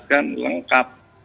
itu kan lengkap